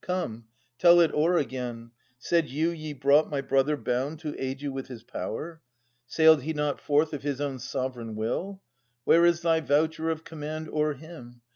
Come, tell it o'er again, — said you ye brought My brother bound to aid you with his power? Sailed he not forth of his own sovereign will ? Where is thy voucher of command o'er him ?